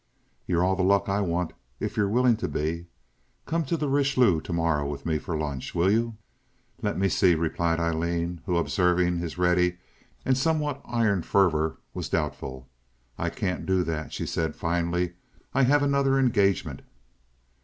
"You are all the luck I want, if you're willing to be. Come to the Richelieu to morrow with me for lunch—will you?" "Let me see," replied Aileen, who, observing his ready and somewhat iron fervor, was doubtful. "I can't do that," she said, finally, "I have another engagement."